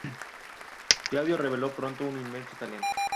Claudio reveló pronto un inmenso talento.